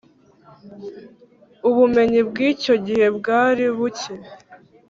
Ubumenyi bw’icyo gihe bwari bucye